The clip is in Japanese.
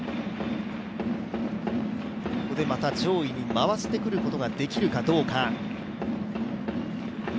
ここでまた上位に回してくることができるかどうか。